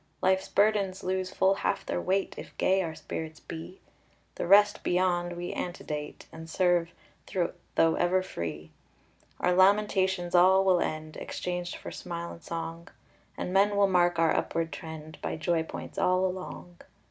Life's burdens lose full half their weight If gay our spirits be; The rest beyond we antedate, And serve, though ever free. Our lamentations all will end, Exchanged for smile and song, And men will mark our upward trend By joy points all along.